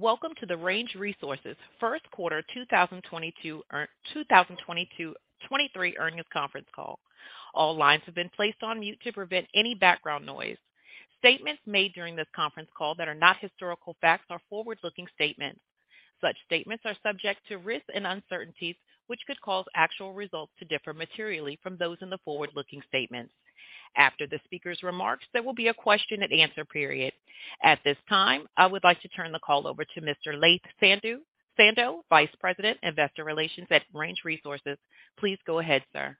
Welcome to the Range Resources First Quarter 2023 Earnings Conference Call. All lines have been placed on mute to prevent any background noise. Statements made during this conference call that are not historical facts are forward-looking statements. Such statements are subject to risks and uncertainties, which could cause actual results to differ materially from those in the forward-looking statements. After the speaker's remarks, there will be a question and answer period. At this time, I would like to turn the call over to Mr. Laith Sando, Vice President, Investor Relations at Range Resources. Please go ahead, sir.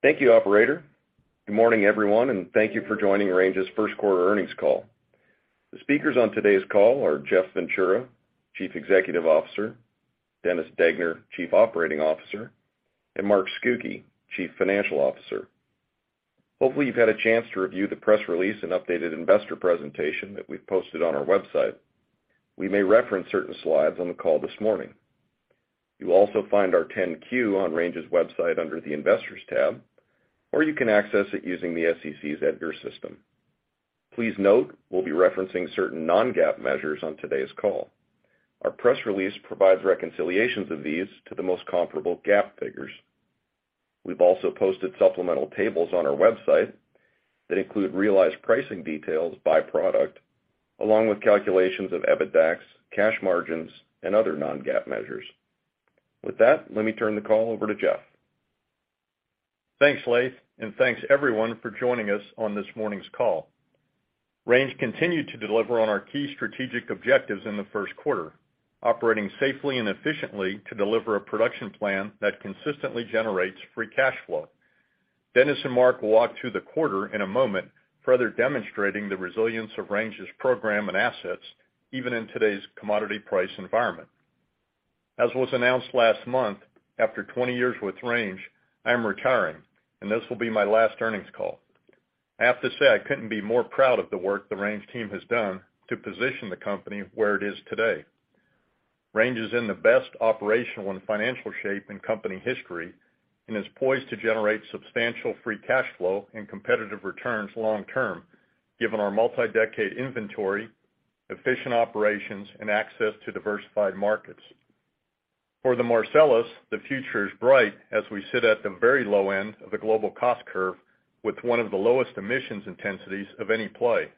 Thank you, operator. Good morning, everyone, thank you for joining Range's First Quarter Earnings Call. The speakers on today's call are Jeff Ventura, Chief Executive Officer, Dennis Degner, Chief Operating Officer, and Mark Scucchi, Chief Financial Officer. Hopefully, you've had a chance to review the press release and updated investor presentation that we've posted on our website. We may reference certain slides on the call this morning. You'll also find our 10-Q on Range's website under the Investors tab, or you can access it using the SEC's EDGAR system. Please note, we'll be referencing certain non-GAAP measures on today's call. Our press release provides reconciliations of these to the most comparable GAAP figures. We've also posted supplemental tables on our website that include realized pricing details by product, along with calculations of EBITDAX, cash margins, and other non-GAAP measures. With that, let me turn the call over to Jeff. Thanks, Laith, and thanks everyone for joining us on this morning's call. Range continued to deliver on our key strategic objectives in the first quarter, operating safely and efficiently to deliver a production plan that consistently generates free cash flow. Dennis and Mark will walk through the quarter in a moment, further demonstrating the resilience of Range's program and assets, even in today's commodity price environment. As was announced last month, after 20 years with Range, I am retiring, and this will be my last earnings call. I have to say I couldn't be more proud of the work the Range team has done to position the company where it is today. Range is in the best operational and financial shape in company history and is poised to generate substantial free cash flow and competitive returns long term, given our multi-decade inventory, efficient operations, and access to diversified markets. For the Marcellus, the future is bright as we sit at the very low end of the global cost curve with one of the lowest emissions intensities of any play.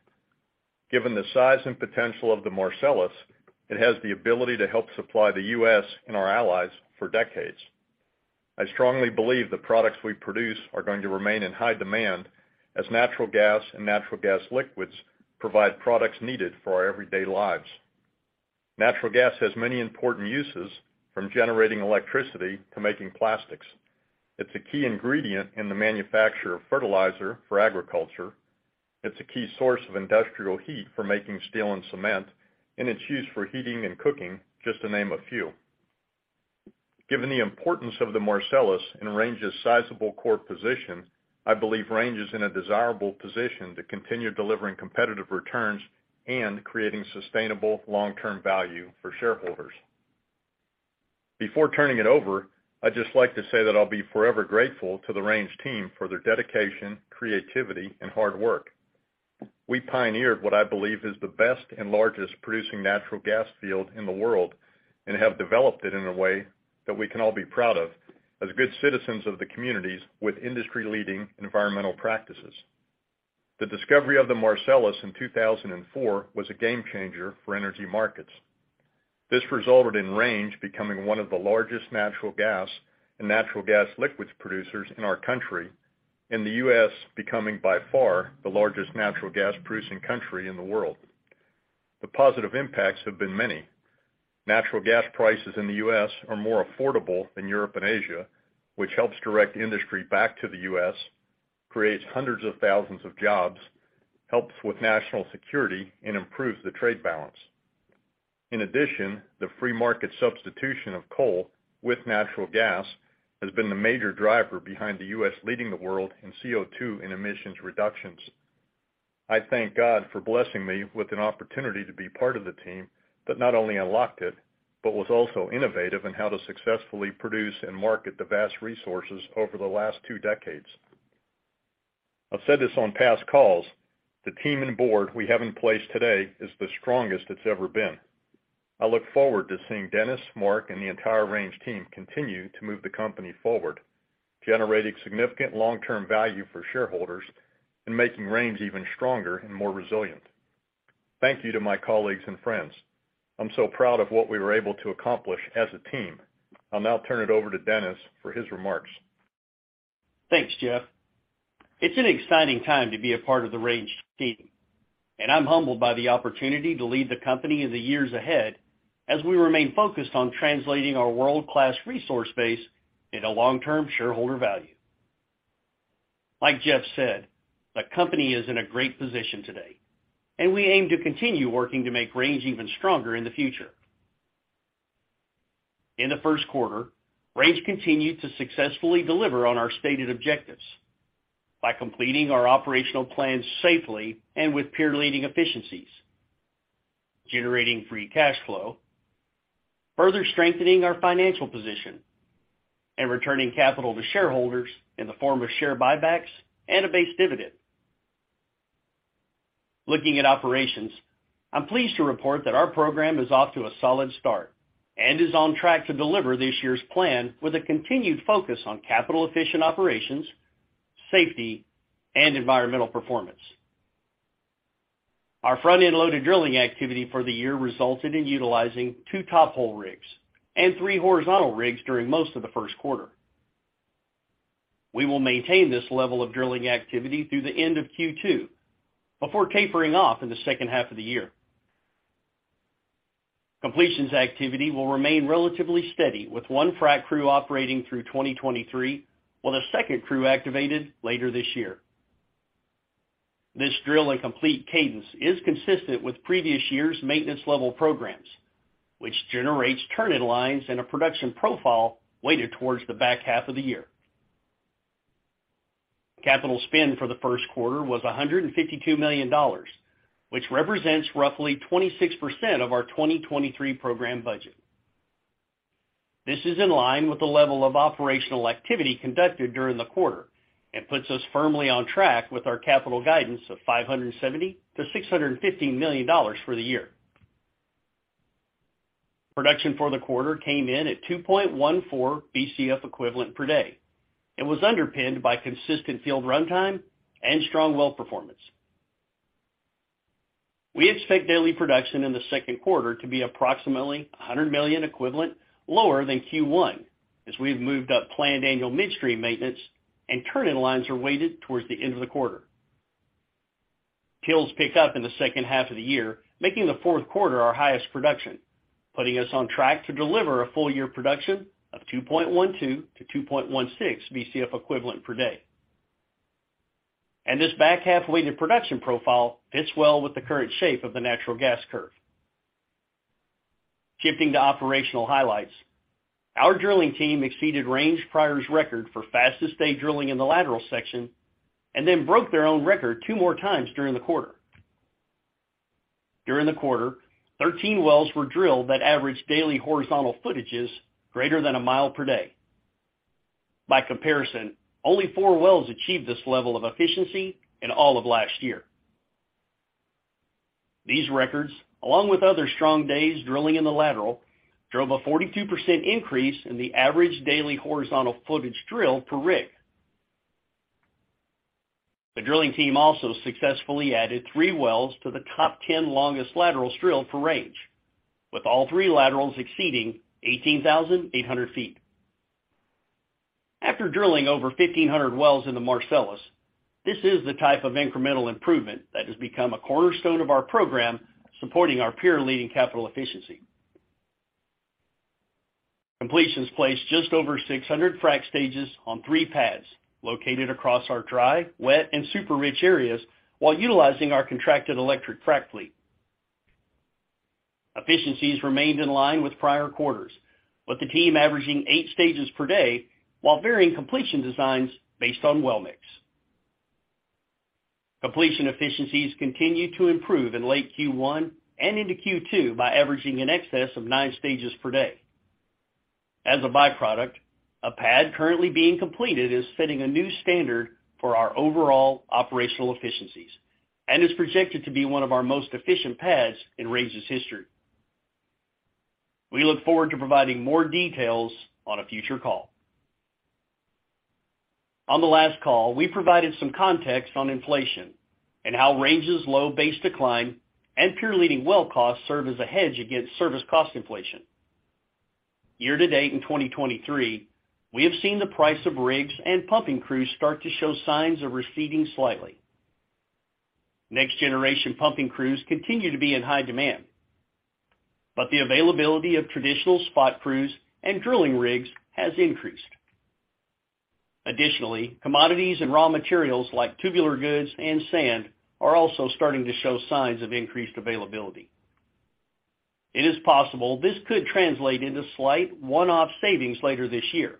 Given the size and potential of the Marcellus, it has the ability to help supply the U.S. and our allies for decades. I strongly believe the products we produce are going to remain in high demand as natural gas and natural gas liquids provide products needed for our everyday lives. Natural gas has many important uses, from generating electricity to making plastics. It's a key ingredient in the manufacture of fertilizer for agriculture. It's a key source of industrial heat for making steel and cement, and it's used for heating and cooking, just to name a few. Given the importance of the Marcellus and Range's sizable core position, I believe Range is in a desirable position to continue delivering competitive returns and creating sustainable long-term value for shareholders. Before turning it over, I'd just like to say that I'll be forever grateful to the Range team for their dedication, creativity, and hard work. We pioneered what I believe is the best and largest producing natural gas field in the world and have developed it in a way that we can all be proud of as good citizens of the communities with industry-leading environmental practices. The discovery of the Marcellus in 2004 was a game-changer for energy markets. This resulted in Range becoming one of the largest natural gas and natural gas liquids producers in our country, and the U.S. becoming by far the largest natural gas-producing country in the world. The positive impacts have been many. Natural gas prices in the U.S. are more affordable than Europe and Asia, which helps direct industry back to the U.S., creates hundreds of thousands of jobs, helps with national security, and improves the trade balance. The free market substitution of coal with natural gas has been the major driver behind the U.S. leading the world in CO2 and emissions reductions. I thank God for blessing me with an opportunity to be part of the team that not only unlocked it, but was also innovative in how to successfully produce and market the vast resources over the last two decades. I've said this on past calls, the team and board we have in place today is the strongest it's ever been. I look forward to seeing Dennis, Mark, and the entire Range team continue to move the company forward, generating significant long-term value for shareholders and making Range even stronger and more resilient. Thank you to my colleagues and friends. I'm so proud of what we were able to accomplish as a team. I'll now turn it over to Dennis for his remarks. Thanks, Jeff. It's an exciting time to be a part of the Range team. I'm humbled by the opportunity to lead the company in the years ahead as we remain focused on translating our world-class resource base into long-term shareholder value. Like Jeff said, the company is in a great position today. We aim to continue working to make Range even stronger in the future. In the first quarter, Range continued to successfully deliver on our stated objectives by completing our operational plans safely and with peer-leading efficiencies. Generating free cash flow, further strengthening our financial position, and returning capital to shareholders in the form of share buybacks and a base dividend. Looking at operations, I'm pleased to report that our program is off to a solid start and is on track to deliver this year's plan with a continued focus on capital-efficient operations, safety, and environmental performance. Our front-end loaded drilling activity for the year resulted in utilizing two top hole rigs and three horizontal rigs during most of the first quarter. We will maintain this level of drilling activity through the end of Q2 before tapering off in the second half of the year. Completions activity will remain relatively steady, with one frac crew operating through 2023, with a second crew activated later this year. This drill and complete cadence is consistent with previous years' maintenance level programs, which generates turn-in-lines and a production profile weighted towards the back half of the year. Capital spend for the first quarter was $152 million, which represents roughly 26% of our 2023 program budget. This is in line with the level of operational activity conducted during the quarter and puts us firmly on track with our capital guidance of $570 million-$615 million for the year. Production for the quarter came in at 2.14 Bcf per day and was underpinned by consistent field runtime and strong well performance. We expect daily production in the second quarter to be approximately 100 million equivalent lower than Q1 as we've moved up planned annual midstream maintenance and turn-in-lines are weighted towards the end of the quarter. Kills pick up in the second half of the year, making the fourth quarter our highest production, putting us on track to deliver a full-year production of 2.12-2.16 Bcf equivalent per day. This back half-weighted production profile fits well with the current shape of the natural gas curve. Shifting to operational highlights. Our drilling team exceeded Range prior's record for fastest day drilling in the lateral section and then broke their own record two more times during the quarter. During the quarter, 13 wells were drilled that averaged daily horizontal footages greater than a mile per day. By comparison, only four wells achieved this level of efficiency in all of last year. These records, along with other strong days drilling in the lateral, drove a 42% increase in the average daily horizontal footage drill per rig. The drilling team also successfully added three wells to the top 10 longest laterals drilled for Range, with all three laterals exceeding 18,800 feet. After drilling over 1,500 wells in the Marcellus, this is the type of incremental improvement that has become a cornerstone of our program, supporting our peer-leading capital efficiency. Completions placed just over 600 frac stages on three pads located across our dry, wet, and super rich areas while utilizing our contracted electric frac fleet. Efficiencies remained in line with prior quarters, with the team averaging eight stages per day while varying completion designs based on well mix. Completion efficiencies continued to improve in late Q1 and into Q2 by averaging in excess of nine stages per day. As a byproduct, a pad currently being completed is setting a new standard for our overall operational efficiencies and is projected to be one of our most efficient pads in Range's history. We look forward to providing more details on a future call. On the last call, we provided some context on inflation and how Range's low base decline and peer-leading well costs serve as a hedge against service cost inflation. Year to date in 2023, we have seen the price of rigs and pumping crews start to show signs of receding slightly. Next generation pumping crews continue to be in high demand. The availability of traditional spot crews and drilling rigs has increased. Additionally, commodities and raw materials like tubular goods and sand are also starting to show signs of increased availability. It is possible this could translate into slight one-off savings later this year,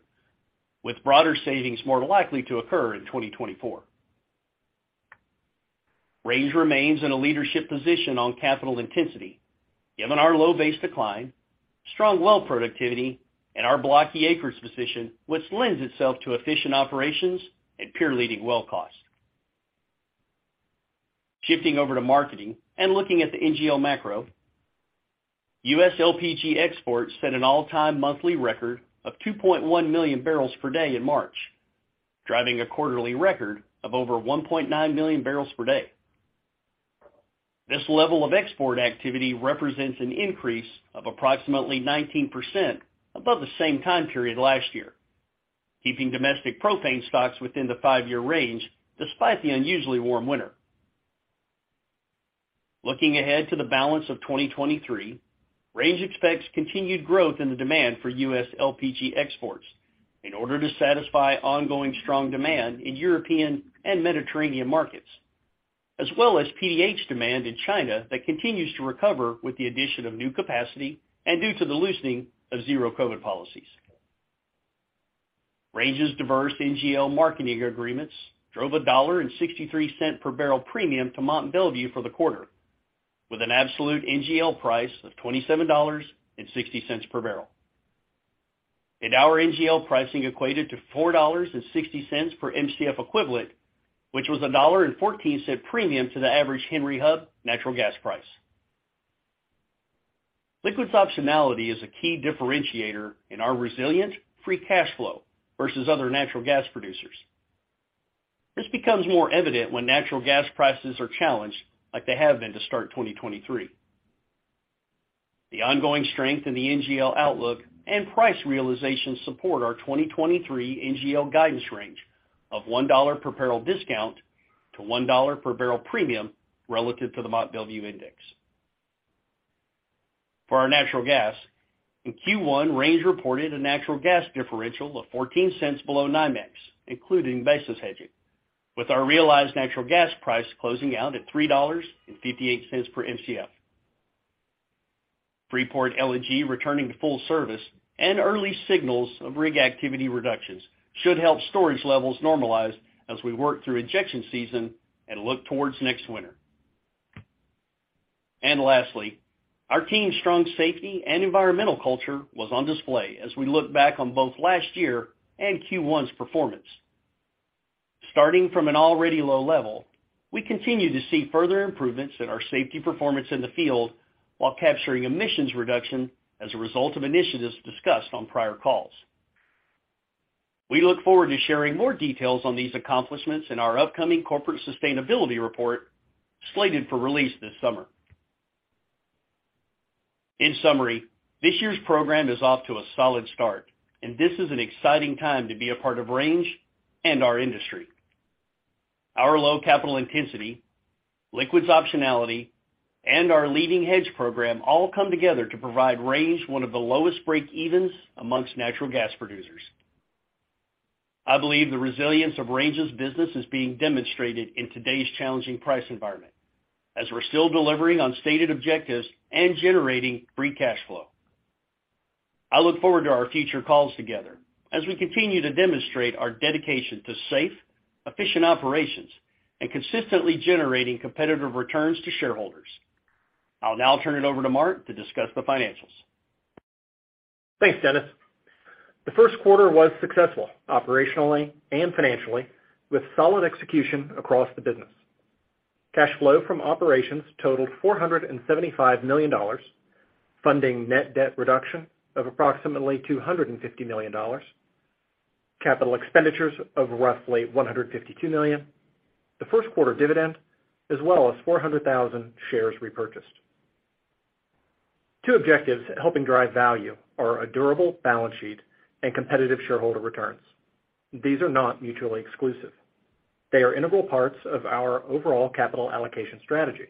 with broader savings more likely to occur in 2024. Range remains in a leadership position on capital intensity given our low base decline, strong well productivity, and our blocky acres position, which lends itself to efficient operations and peer-leading well costs. Shifting over to marketing and looking at the NGL macro, U.S. LPG exports set an all-time monthly record of 2.1 million barrels per day in March, driving a quarterly record of over 1.9 million barrels per day. This level of export activity represents an increase of approximately 19% above the same time period last year, keeping domestic propane stocks within the five-year range despite the unusually warm winter. Looking ahead to the balance of 2023, Range expects continued growth in the demand for U.S. LPG exports in order to satisfy ongoing strong demand in European and Mediterranean markets, as well as PEH demand in China that continues to recover with the addition of new capacity and due to the loosening of zero-COVID policies. Range's diverse NGL marketing agreements drove a $1.63 per barrel premium to Mont Belvieu for the quarter, with an absolute NGL price of $27.60 per barrel. Our NGL pricing equated to $4.60 per Mcf equivalent, which was a $1.14 premium to the average Henry Hub natural gas price. Liquids optionality is a key differentiator in our resilient free cash flow versus other natural gas producers. This becomes more evident when natural gas prices are challenged like they have been to start 2023. The ongoing strength in the NGL outlook and price realization support our 2023 NGL guidance range of $1 per barrel discount to $1 per barrel premium relative to the Mont Belvieu index. For our natural gas, in Q1, Range reported a natural gas differential of $0.14 below NYMEX, including basis hedging, with our realized natural gas price closing out at $3.58 per Mcf. Freeport LNG returning to full service and early signals of rig activity reductions should help storage levels normalize as we work through injection season and look towards next winter. Lastly, our team's strong safety and environmental culture was on display as we look back on both last year and Q1's performance. Starting from an already low level, we continue to see further improvements in our safety performance in the field while capturing emissions reduction as a result of initiatives discussed on prior calls. We look forward to sharing more details on these accomplishments in our upcoming corporate sustainability report, slated for release this summer. In summary, this year's program is off to a solid start, and this is an exciting time to be a part of Range and our industry. Our low capital intensity, liquids optionality, and our leading hedge program all come together to provide Range one of the lowest breakevens amongst natural gas producers. I believe the resilience of Range's business is being demonstrated in today's challenging price environment as we're still delivering on stated objectives and generating free cash flow. I look forward to our future calls together as we continue to demonstrate our dedication to safe, efficient operations and consistently generating competitive returns to shareholders. I'll now turn it over to Mark to discuss the financials. Thanks, Dennis. The first quarter was successful operationally and financially, with solid execution across the business. Cash flow from operations totaled $475 million, funding net debt reduction of approximately $250 million, capital expenditures of roughly $152 million, the first quarter dividend, as well as 400,000 shares repurchased. Two objectives helping drive value are a durable balance sheet and competitive shareholder returns. These are not mutually exclusive. They are integral parts of our overall capital allocation strategy.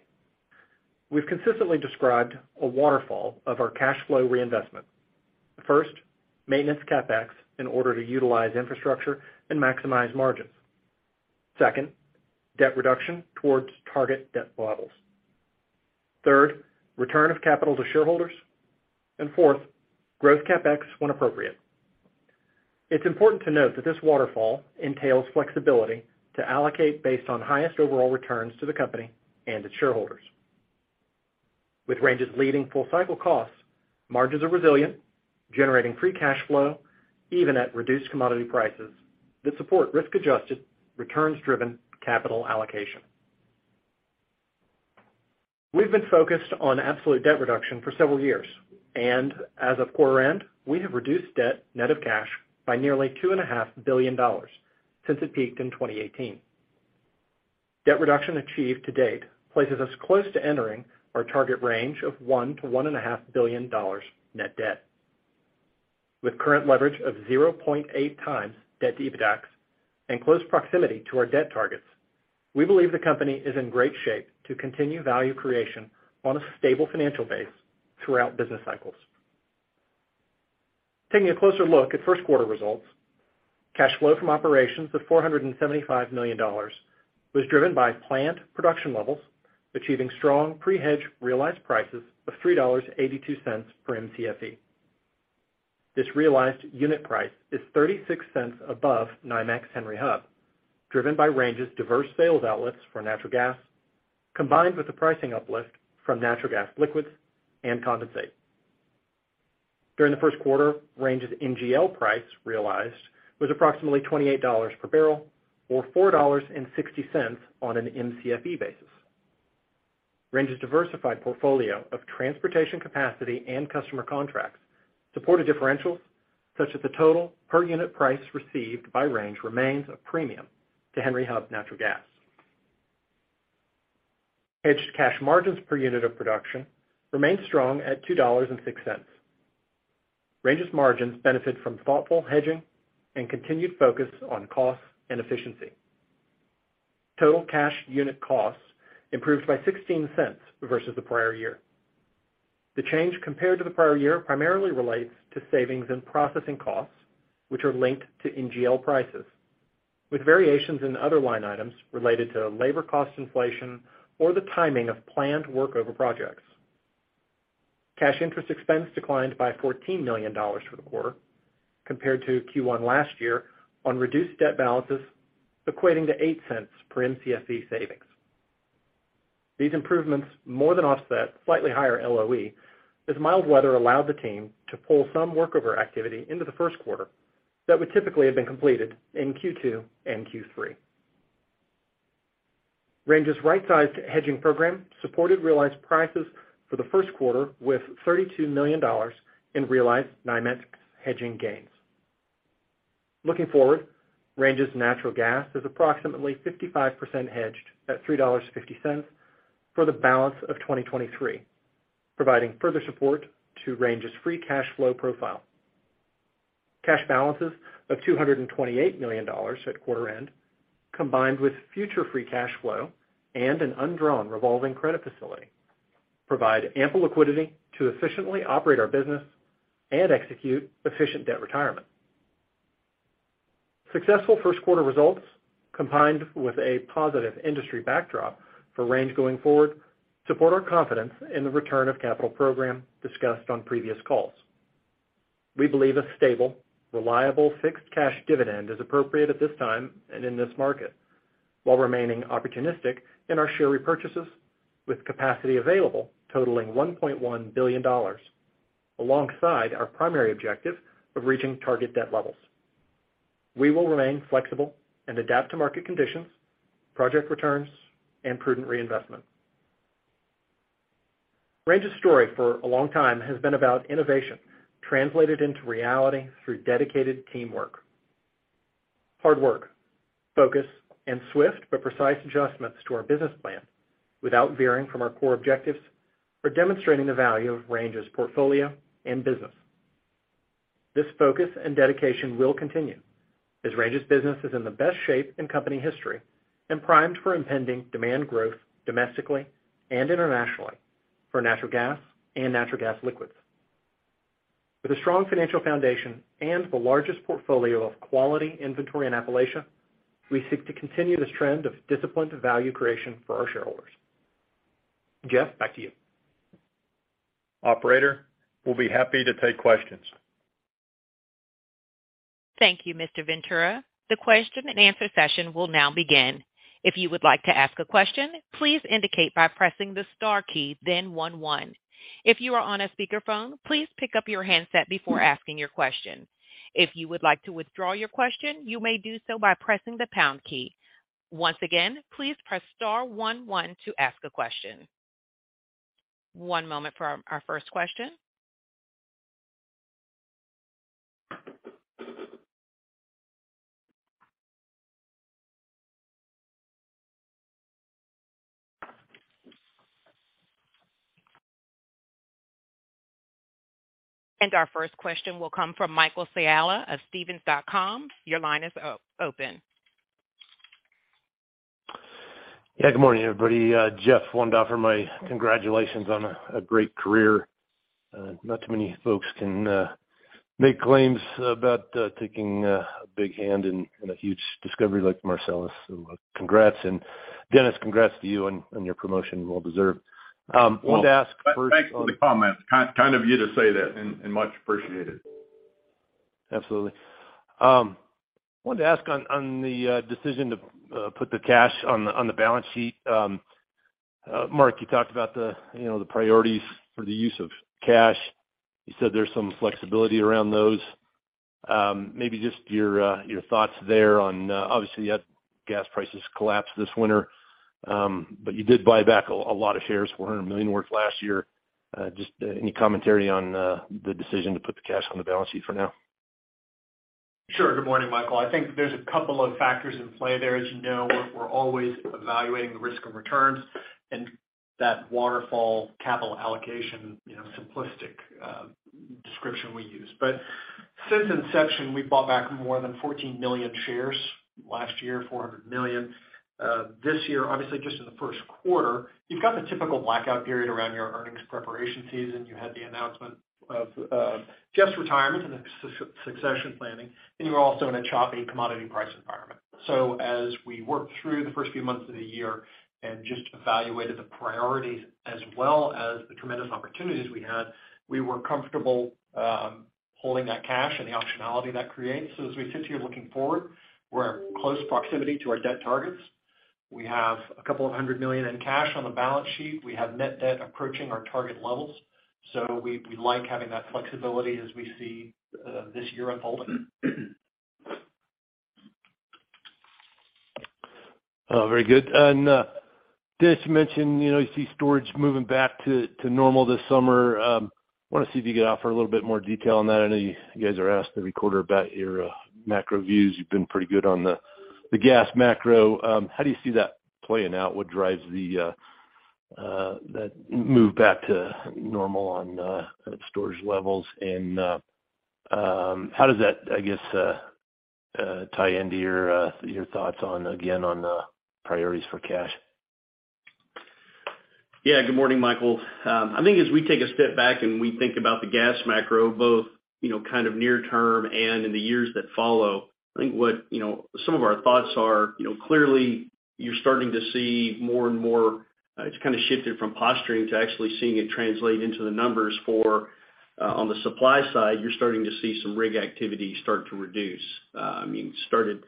We've consistently described a waterfall of our cash flow reinvestment. First, maintenance CapEx in order to utilize infrastructure and maximize margins. Second, debt reduction towards target debt levels. Third, return of capital to shareholders. Fourth, growth CapEx when appropriate. It's important to note that this waterfall entails flexibility to allocate based on highest overall returns to the company and its shareholders. With Range's leading full-cycle costs, margins are resilient, generating free cash flow even at reduced commodity prices that support risk-adjusted, returns-driven capital allocation. As of quarter end, we have reduced debt net of cash by nearly $2.5 billion since it peaked in 2018. Debt reduction achieved to date places us close to entering our target range of $1 billion-$1.5 billion net debt. With current leverage of 0.8x debt to EBITDAX and close proximity to our debt targets, we believe the company is in great shape to continue value creation on a stable financial base throughout business cycles. Taking a closer look at first quarter results, cash flow from operations of $475 million was driven by plant production levels, achieving strong pre-hedge realized prices of $3.82 per Mcfe. This realized unit price is $0.36 above NYMEX Henry Hub, driven by Range's diverse sales outlets for natural gas, combined with the pricing uplift from natural gas liquids and condensate. During the first quarter, Range's NGL price realized was approximately $28 per barrel or $4.60 on an Mcfe basis. Range's diversified portfolio of transportation capacity and customer contracts support a differential such that the total per unit price received by Range remains a premium to Henry Hub natural gas. Hedged cash margins per unit of production remain strong at $2.06. Range's margins benefit from thoughtful hedging and continued focus on costs and efficiency. Total cash unit costs improved by $0.16 versus the prior year. The change compared to the prior year primarily relates to savings in processing costs, which are linked to NGL prices, with variations in other line items related to labor cost inflation or the timing of planned workover projects. Cash interest expense declined by $14 million for the quarter compared to Q1 last year on reduced debt balances equating to $0.08 per Mcfe savings. These improvements more than offset slightly higher LOE, as mild weather allowed the team to pull some workover activity into the first quarter that would typically have been completed in Q2 and Q3. Range's right-sized hedging program supported realized prices for the first quarter with $32 million in realized NYMEX hedging gains. Looking forward, Range's natural gas is approximately 55% hedged at $3.50 for the balance of 2023, providing further support to Range's free cash flow profile. Cash balances of $228 million at quarter end, combined with future free cash flow and an undrawn revolving credit facility, provide ample liquidity to efficiently operate our business and execute efficient debt retirement. Successful first quarter results, combined with a positive industry backdrop for Range going forward, support our confidence in the return of capital program discussed on previous calls. We believe a stable, reliable, fixed cash dividend is appropriate at this time and in this market, while remaining opportunistic in our share repurchases with capacity available totaling $1.1 billion, alongside our primary objective of reaching target debt levels. We will remain flexible and adapt to market conditions, project returns, and prudent reinvestment. Range's story for a long time has been about innovation translated into reality through dedicated teamwork. Hard work, focus, and swift but precise adjustments to our business plan without veering from our core objectives are demonstrating the value of Range's portfolio and business. This focus and dedication will continue as Range's business is in the best shape in company history and primed for impending demand growth domestically and internationally for natural gas and natural gas liquids. With a strong financial foundation and the largest portfolio of quality inventory in Appalachia, we seek to continue this trend of disciplined value creation for our shareholders. Jeff, back to you. Operator, we'll be happy to take questions. Thank you, Mr. Ventura. The question-and-answer session will now begin. If you would like to ask a question, please indicate by pressing the star key, then one. If you are on a speakerphone, please pick up your handset before asking your question. If you would like to withdraw your question, you may do so by pressing the pound key. Once again, please press star one one to ask a question. One moment for our first question. Our first question will come from Michael Scialla of Stephens. Your line is open. Yeah, good morning, everybody. Jeff, wanted to offer my congratulations on a great career. Not too many folks can make claims about taking a big hand in a huge discovery like Marcellus. Congrats. Dennis, congrats to you on your promotion. Well deserved. Wanted to ask first. Well, thanks for the comments. kind of you to say that, and much appreciated. Absolutely. wanted to ask on the decision to put the cash on the balance sheet. Mark, you talked about the, you know, the priorities for the use of cash. You said there's some flexibility around those. maybe just your thoughts there on obviously you had gas prices collapse this winter. You did buy back a lot of shares, $400 million worth last year. just any commentary on the decision to put the cash on the balance sheet for now? Sure. Good morning, Michael. I think there's a couple of factors in play there. As you know, we're always evaluating the risk and returns and that waterfall capital allocation, you know, simplistic description we use. Since inception, we've bought back more than 14 million shares. Last year, 400 million. This year, obviously just in the first quarter, you've got the typical blackout period around your earnings preparation season. You had the announcement of Jeff's retirement and succession planning, and you're also in a choppy commodity price environment. As we worked through the first few months of the year and just evaluated the priorities as well as the tremendous opportunities we had, we were comfortable holding that cash and the optionality that creates. As we sit here looking forward, we're at close proximity to our debt targets. We have a couple of hundred million in cash on the balance sheet. We have net debt approaching our target levels. We like having that flexibility as we see this year unfolding. Very good. Dennis, you mentioned, you know, you see storage moving back to normal this summer. Wanna see if you could offer a little bit more detail on that. I know you guys are asked every quarter about your macro views. You've been pretty good on the gas macro. How do you see that playing out? What drives the that move back to normal on storage levels? How does that, I guess, tie into your thoughts on, again, on priorities for cash? Yeah. Good morning, Michael. I think as we take a step back and we think about the gas macro, both- You know, kind of near term and in the years that follow, I think what, you know, some of our thoughts are, you know, clearly you're starting to see more and more, it's kind of shifted from posturing to actually seeing it translate into the numbers for on the supply side, you're starting to see some rig activity start to reduce. I mean, started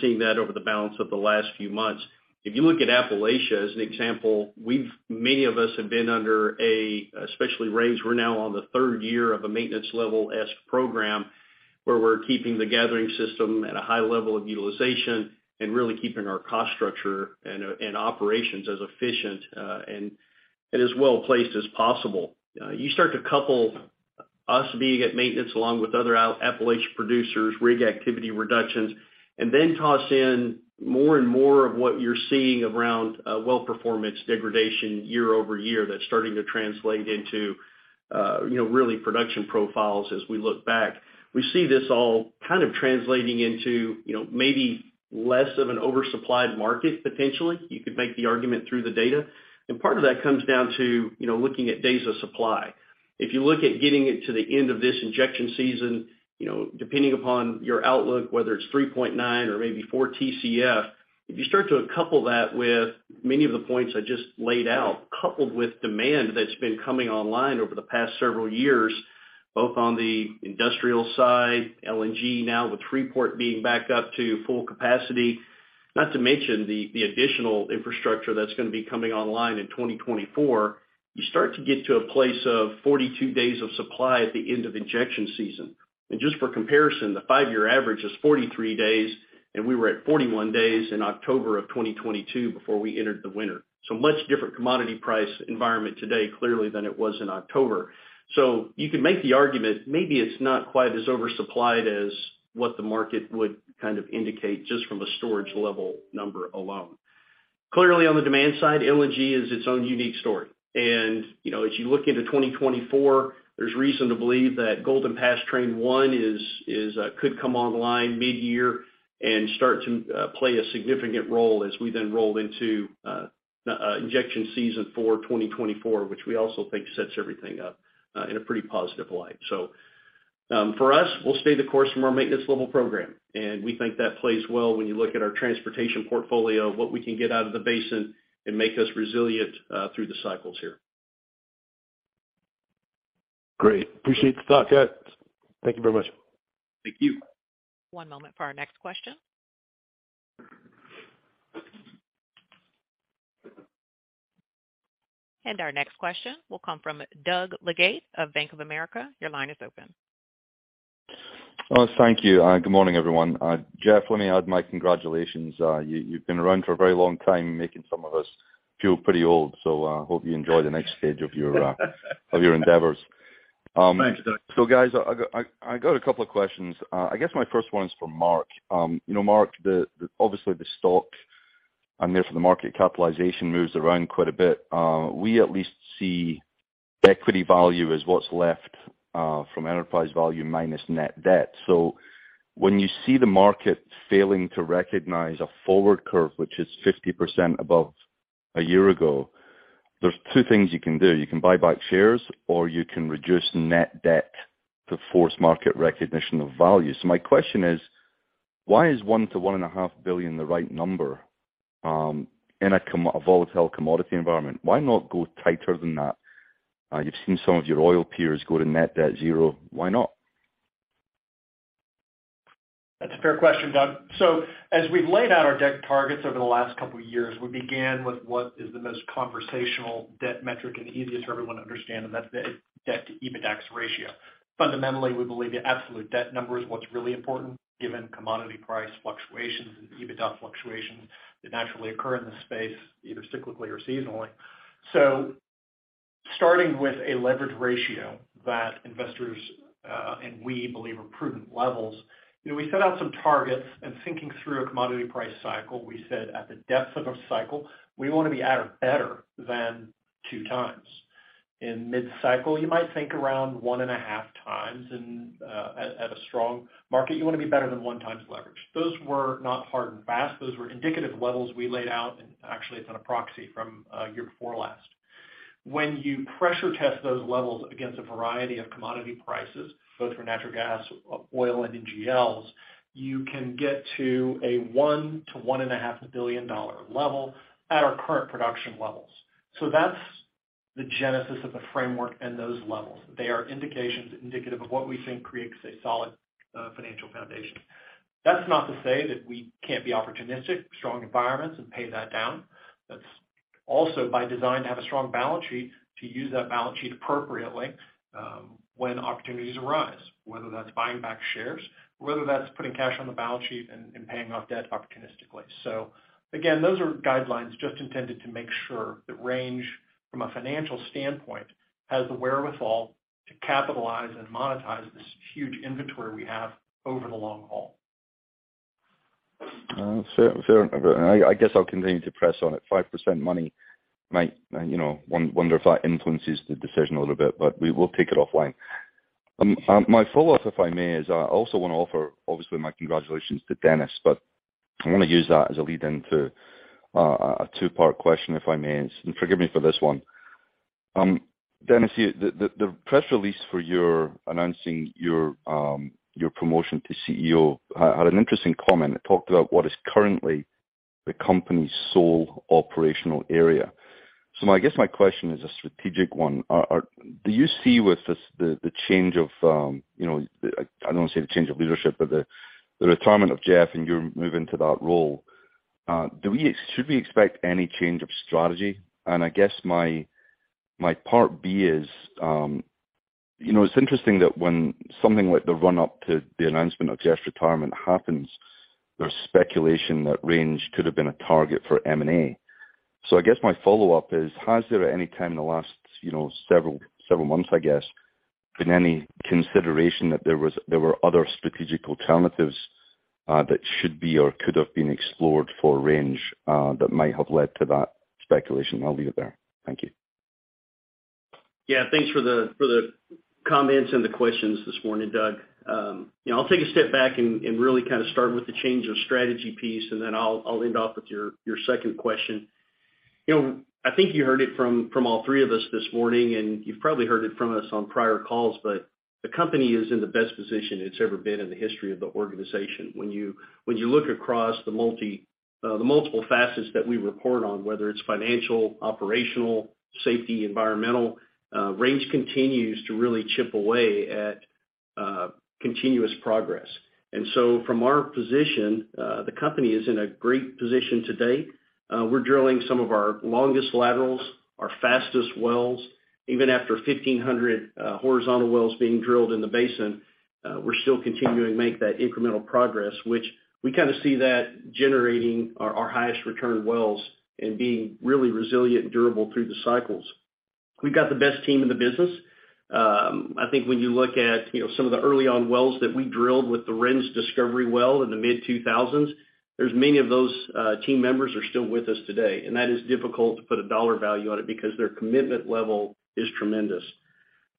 seeing that over the balance of the last few months. If you look at Appalachia as an example, many of us have been under a, especially Range, we're now on the third year of a maintenance level-esque program where we're keeping the gathering system at a high level of utilization and really keeping our cost structure and operations as efficient and as well placed as possible. You start to couple us being at maintenance along with other Appalachia producers, rig activity reductions, and then toss in more and more of what you're seeing around well performance degradation year-over-year, that's starting to translate into, you know, really production profiles as we look back. We see this all kind of translating into, you know, maybe less of an oversupplied market, potentially. You could make the argument through the data. Part of that comes down to, you know, looking at days of supply. If you look at getting it to the end of this injection season, you know, depending upon your outlook, whether it's 3.9 or maybe four Tcf, if you start to couple that with many of the points I just laid out, coupled with demand that's been coming online over the past several years, both on the industrial side, LNG now with Freeport being back up to full capacity, not to mention the additional infrastructure that's going to be coming online in 2024, you start to get to a place of 42 days of supply at the end of injection season. Just for comparison, the 5-year average is 43 days, and we were at 41 days in October of 2022 before we entered the winter. Much different commodity price environment today, clearly than it was in October. You could make the argument, maybe it's not quite as oversupplied as what the market would kind of indicate just from a storage level number alone. Clearly, on the demand side, LNG is its own unique story. You know, as you look into 2024, there's reason to believe that Golden Pass Train 1 is, could come online mid-year and start to play a significant role as we then roll into injection season for 2024, which we also think sets everything up in a pretty positive light. For us, we'll stay the course from our maintenance level program, and we think that plays well when you look at our transportation portfolio, what we can get out of the basin and make us resilient through the cycles here. Great. Appreciate the thoughts, guys. Thank you very much. Thank you. One moment for our next question. Our next question will come from Doug Leggate of Bank of America. Your line is open. Well, thank you. Good morning, everyone. Jeff, let me add my congratulations. You've been around for a very long time, making some of us feel pretty old. Hope you enjoy the next stage of your endeavors. Thanks, Doug. Guys, I got a couple of questions. I guess my first one is for Mark. You know, Mark, the obviously, the stock and therefore the market capitalization moves around quite a bit. We at least see equity value as what's left from enterprise value minus net debt. When you see the market failing to recognize a forward curve, which is 50% above a year ago, there's two things you can do. You can buy back shares, or you can reduce net debt to force market recognition of value. My question is, why is $1 billion-$1.5 billion the right number in a volatile commodity environment? Why not go tighter than that? You've seen some of your oil peers go to net debt zero. Why not? That's a fair question, Doug. As we've laid out our debt targets over the last couple of years, we began with what is the most conversational debt metric and easiest for everyone to understand, and that's the debt-to-EBITDAX ratio. Fundamentally, we believe the absolute debt number is what's really important given commodity price fluctuations and EBITDA fluctuations that naturally occur in the space, either cyclically or seasonally. Starting with a leverage ratio that investors, and we believe are prudent levels, you know, we set out some targets and thinking through a commodity price cycle, we said at the depth of a cycle, we want to be at or better than 2x. In mid-cycle, you might think around 1.5x. At a strong market, you want to be better than 1x leverage. Those were not hard and fast. Those were indicative levels we laid out. Actually it's an proxy from a year before last. When you pressure test those levels against a variety of commodity prices, both for natural gas, oil, and NGLs, you can get to a $1 billion-$1.5 billion level at our current production levels. That's the genesis of the framework and those levels. They are indications indicative of what we think creates a solid financial foundation. That's not to say that we can't be opportunistic, strong environments and pay that down. Also by design to have a strong balance sheet to use that balance sheet appropriately, when opportunities arise, whether that's buying back shares, whether that's putting cash on the balance sheet and paying off debt opportunistically. Again, those are guidelines just intended to make sure that Range, from a financial standpoint, has the wherewithal to capitalize and monetize this huge inventory we have over the long haul. Fair. I guess I'll continue to press on it. 5% money might, you know, wonder if that influences the decision a little bit. We will take it offline. My follow-up, if I may, is I also want to offer obviously my congratulations to Dennis. I want to use that as a lead into a two-part question, if I may, and forgive me for this one. Dennis, the press release for your announcing your promotion to CEO had an interesting comment. It talked about what is currently the company's sole operational area. I guess my question is a strategic one. Do you see with this, the change of, you know, I don't want to say the change of leadership, but the retirement of Jeff and your move into that role, should we expect any change of Range strategy? I guess my part B is, you know, it's interesting that when something like the run up to the announcement of Jeff's retirement happens, there's speculation that Range could have been a target for M&A. I guess my follow-up is, has there at any time in the last, you know, several months, I guess, been any consideration that there were other strategic alternatives, that should be or could have been explored for Range, that might have led to that speculation? I'll leave it there. Thank you. Thanks for the, for the comments and the questions this morning, Doug. I'll take a step back and really kind of start with the change of strategy piece, and then I'll end off with your second question. You know, I think you heard it from all three of us this morning, and you've probably heard it from us on prior calls, but the company is in the best position it's ever been in the history of the organization. When you, when you look across the multiple facets that we report on, whether it's financial, operational, safety, environmental, Range continues to really chip away at continuous progress. From our position, the company is in a great position to date. We're drilling some of our longest laterals, our fastest wells. Even after 1,500 horizontal wells being drilled in the basin, we're still continuing to make that incremental progress, which we kind of see that generating our highest return wells and being really resilient and durable through the cycles. We've got the best team in the business. I think when you look at, you know, some of the early on wells that we drilled with the Renz discovery well in the mid-2000s, there's many of those team members are still with us today, and that is difficult to put a dollar value on it because their commitment level is tremendous.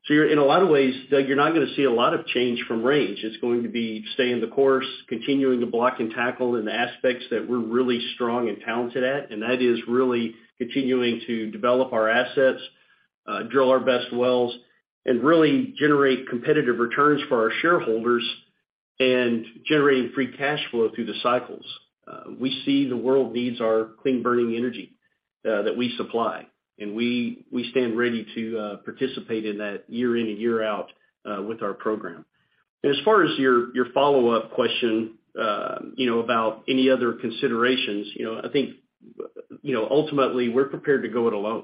In a lot of ways, Doug, you're not gonna see a lot of change from Range. It's going to be staying the course, continuing to block and tackle in the aspects that we're really strong and talented at, and that is really continuing to develop our assets, drill our best wells, and really generate competitive returns for our shareholders and generating free cash flow through the cycles. We see the world needs our clean burning energy that we supply, and we stand ready to participate in that year in and year out with our program. As far as your follow-up question, you know, about any other considerations, you know, I think, you know, ultimately, we're prepared to go it alone.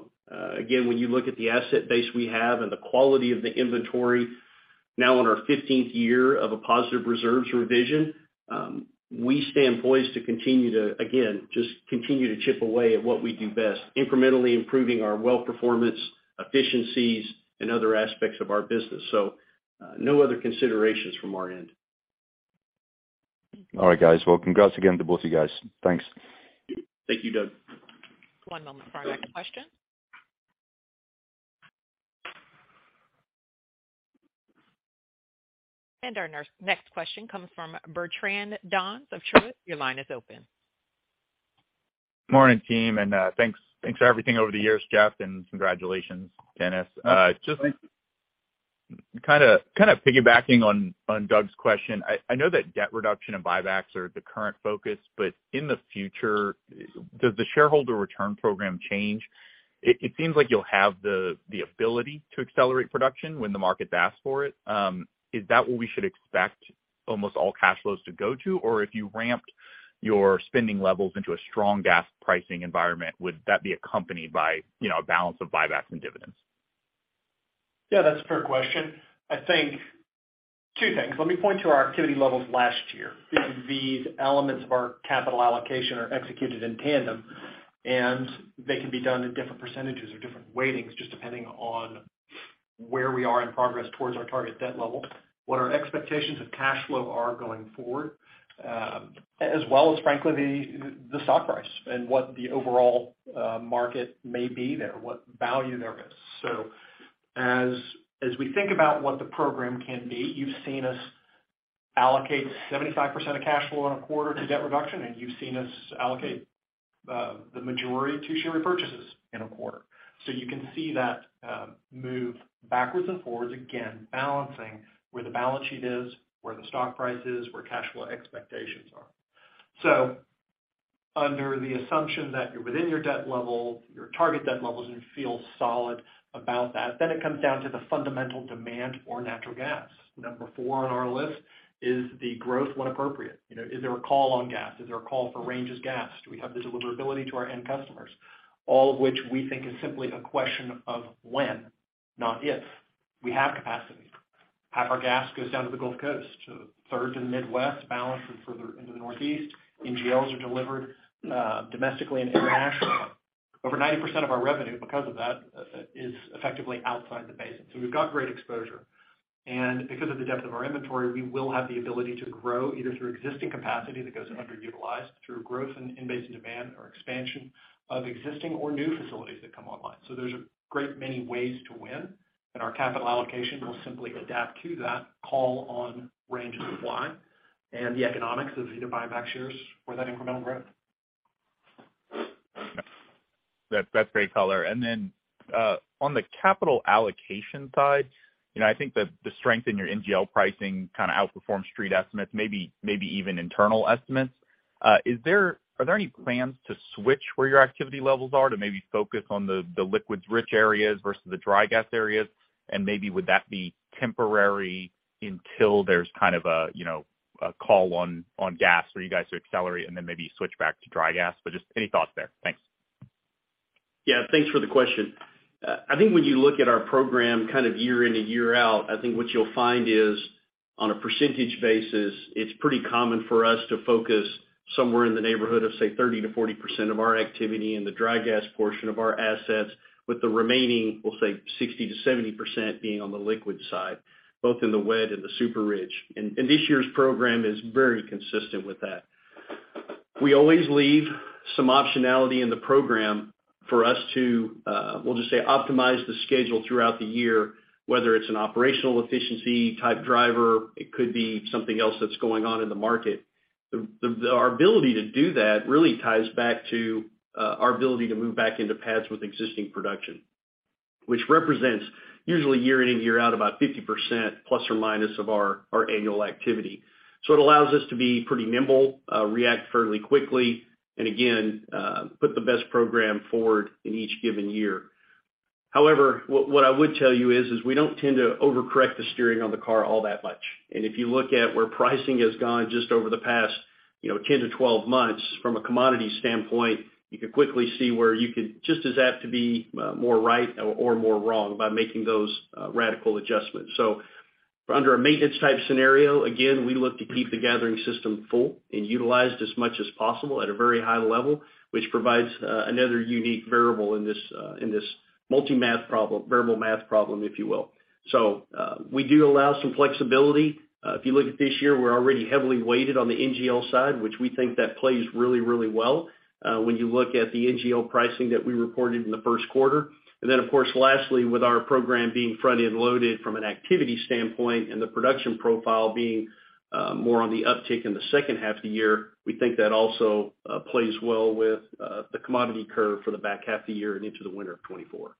Again, when you look at the asset base we have and the quality of the inventory now in our 15th year of a positive reserves revision, we stand poised to continue to chip away at what we do best, incrementally improving our well performance, efficiencies, and other aspects of our business. No other considerations from our end. All right, guys. Well, congrats again to both of you guys. Thanks. Thank you, Doug. One moment for our next question. Our next question comes from Bertrand Donnes of Truist. Your line is open. Morning, team, and, thanks for everything over the years, Jeff, and congratulations, Dennis. Thanks. Just kind of piggybacking on Doug's question. I know that debt reduction and buybacks are the current focus. In the future, does the shareholder return program change? It seems like you'll have the ability to accelerate production when the market asks for it. Is that what we should expect almost all cash flows to go to? Or if you ramped your spending levels into a strong gas pricing environment, would that be accompanied by, you know, a balance of buybacks and dividends? Yeah, that's a fair question. I think two things. Let me point to our activity levels last year. These elements of our capital allocation are executed in tandem. They can be done in different percentages or different weightings, just depending on where we are in progress towards our target debt level, what our expectations of cash flow are going forward, as well as frankly, the stock price and what the overall market may be there, what value there is. As we think about what the program can be, you've seen us allocate 75% of cash flow in a quarter to debt reduction. You've seen us allocate the majority to share repurchases in a quarter. You can see that move backwards and forwards, again, balancing where the balance sheet is, where the stock price is, where cash flow expectations are. Under the assumption that you're within your debt level, your target debt levels, and you feel solid about that, then it comes down to the fundamental demand for natural gas. Number four on our list is the growth when appropriate. You know, is there a call on gas? Is there a call for Range's gas? Do we have the deliverability to our end customers? All of which we think is simply a question of when, not if. We have capacity. Half our gas goes down to the Gulf Coast, a third to the Midwest, balance is further into the Northeast. NGLs are delivered domestically and internationally. Over 90% of our revenue because of that is effectively outside the basin. We've got great exposure. Because of the depth of our inventory, we will have the ability to grow either through existing capacity that goes underutilized through growth in in-basin demand or expansion of existing or new facilities that come online. There's a great many ways to win, and our capital allocation will simply adapt to that call on Range's supply and the economics of either buyback shares or that incremental growth. That's great color. Then, on the capital allocation side, you know, I think the strength in your NGL pricing kind of outperformed street estimates, maybe even internal estimates. Are there any plans to switch where your activity levels are to maybe focus on the liquids rich areas versus the dry gas areas? Then maybe would that be temporary until there's kind of a, you know, a call on gas where you guys are accelerate and then maybe switch back to dry gas? Just any thoughts there? Thanks. Yeah. Thanks for the question. I think when you look at our program kind of year in and year out, I think what you'll find is, on a percentage basis, it's pretty common for us to focus somewhere in the neighborhood of, say, 30%-40% of our activity in the dry gas portion of our assets with the remaining, we'll say 60%-70% being on the liquid side, both in the wet and the super rich. This year's program is very consistent with that. We always leave some optionality in the program for us to, we'll just say, optimize the schedule throughout the year, whether it's an operational efficiency type driver, it could be something else that's going on in the market. Our ability to do that really ties back to our ability to move back into pads with existing production, which represents usually year in and year out about 50% plus or minus of our annual activity. It allows us to be pretty nimble, react fairly quickly, and again, put the best program forward in each given year. However, what I would tell you is we don't tend to overcorrect the steering on the car all that much. If you look at where pricing has gone just over the past, you know, 10-12 months from a commodity standpoint, you can quickly see where you could just as apt to be more right or more wrong by making those radical adjustments. Under a maintenance type scenario, again, we look to keep the gathering system full and utilized as much as possible at a very high level, which provides another unique variable in this multi-math problem, variable math problem, if you will. We do allow some flexibility. If you look at this year, we're already heavily weighted on the NGL side, which we think that plays really, really well, when you look at the NGL pricing that we reported in the first quarter. Of course, lastly, with our program being front-end loaded from an activity standpoint and the production profile being more on the uptick in the second half of the year, we think that also plays well with the commodity curve for the back half of the year and into the winter of 2024.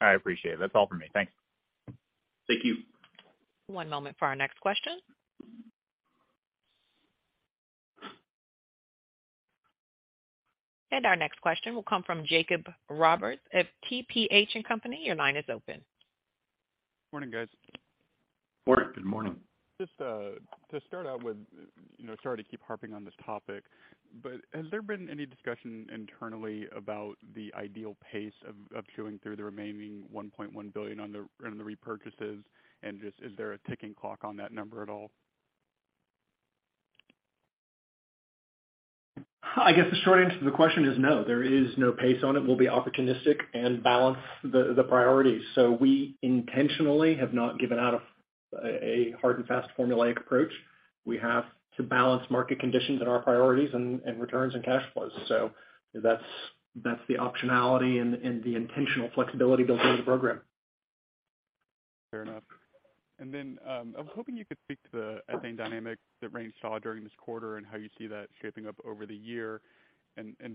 I appreciate it. That's all for me. Thanks. Thank you. One moment for our next question. Our next question will come from Jacob Roberts at TPH & Co. Your line is open. Morning, guys. Morning. Good morning. Just, to start out with, you know, sorry to keep harping on this topic, but has there been any discussion internally about the ideal pace of chewing through the remaining $1.1 billion on the, on the repurchases? Is there a ticking clock on that number at all? I guess the short answer to the question is no. There is no pace on it. We'll be opportunistic and balance the priorities. We intentionally have not given out a hard and fast formulaic approach. We have to balance market conditions and our priorities and returns and cash flows. That's the optionality and the intentional flexibility built into the program. Fair enough. I was hoping you could speak to the ethane dynamic that Range saw during this quarter and how you see that shaping up over the year.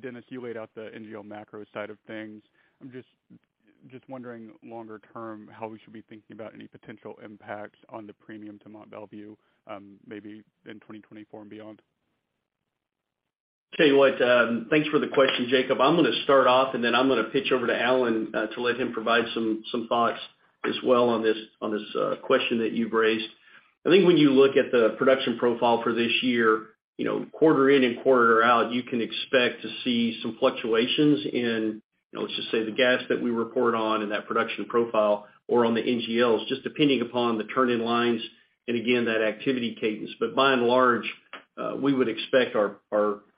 Dennis, you laid out the NGL macro side of things. I'm just wondering longer term how we should be thinking about any potential impacts on the premium to Mont Belvieu, maybe in 2024 and beyond. Tell you what, thanks for the question, Jacob. I'm gonna start off, and then I'm gonna pitch over to Alan to let him provide some thoughts as well on this question that you've raised. I think when you look at the production profile for this year, you know, quarter in and quarter out, you can expect to see some fluctuations in, you know, let's just say the gas that we report on in that production profile or on the NGLs, just depending upon the turn-in lines and again, that activity cadence. By and large, we would expect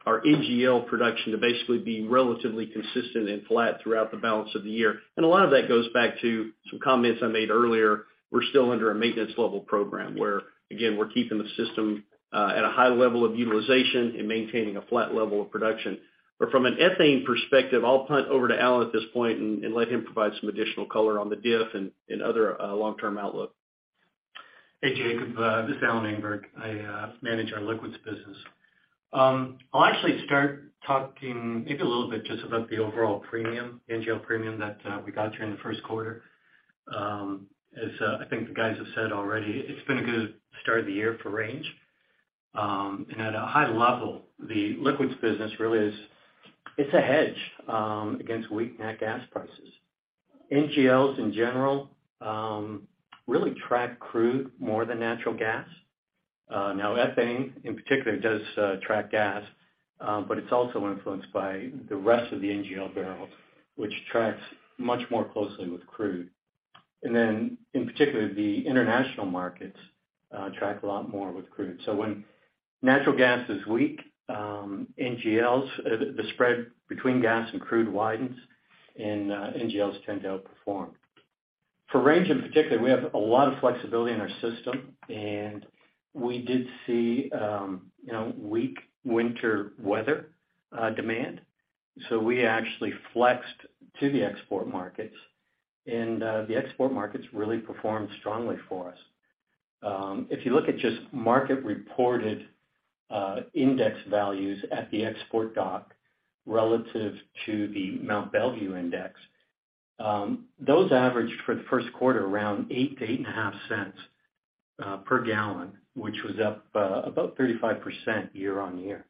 our NGL production to basically be relatively consistent and flat throughout the balance of the year. A lot of that goes back to some comments I made earlier. We're still under a maintenance level program where, again, we're keeping the system at a high level of utilization and maintaining a flat level of production. From an ethane perspective, I'll punt over to Alan at this point and let him provide some additional color on the diff and other long-term outlook. Hey, Jacob, this is Alan Engberg. I manage our liquids business. I'll actually start talking maybe a little bit just about the overall premium, NGL premium that we got here in the first quarter. As I think the guys have said already, it's been a good start to the year for Range. At a high level, the liquids business really it's a hedge against weak nat gas prices. NGLs in general really track crude more than natural gas. Now ethane, in particular, does track gas, but it's also influenced by the rest of the NGL barrels, which tracks much more closely with crude. In particular, the international markets track a lot more with crude. When natural gas is weak, NGLs, the spread between gas and crude widens and NGLs tend to outperform. For Range in particular, we have a lot of flexibility in our system, and we did see, you know, weak winter weather demand. We actually flexed to the export markets, and the export markets really performed strongly for us If you look at just market reported index values at the export dock relative to the Mont Belvieu index, those averaged for the first quarter around $0.08-$0.085 per gallon, which was up about 35% year-on-year.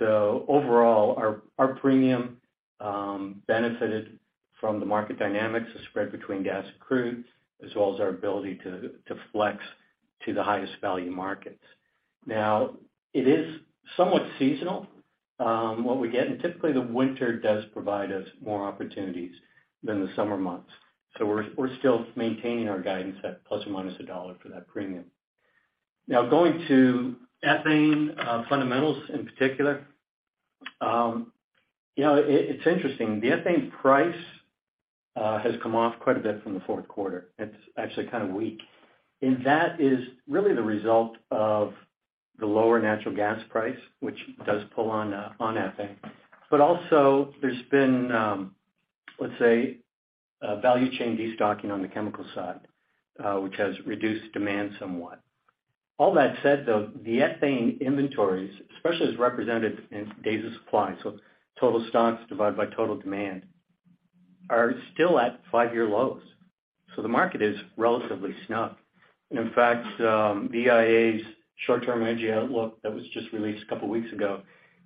Overall, our premium benefited from the market dynamics, the spread between gas and crude, as well as our ability to flex to the highest value markets. It is somewhat seasonal what we get, and typically the winter does provide us more opportunities than the summer months. We're still maintaining our guidance at ±$1 for that premium. Going to ethane fundamentals in particular. You know, it's interesting. The ethane price has come off quite a bit from the fourth quarter. It's actually kind of weak. That is really the result of the lower natural gas price, which does pull on ethane. Also there's been, let's say, value chain destocking on the chemical side, which has reduced demand somewhat. All that said, though, the ethane inventories, especially as represented in days of supply, so total stocks divided by total demand, are still at five-year lows. The market is relatively snug. In fact, the EIA's short-term energy outlook that was just released a couple weeks ago